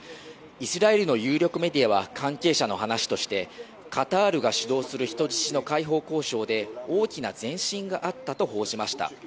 イスラエルの有力メディアは関係者の話としてカタールが主導する人質の解放交渉で大きな前進があったと報じました。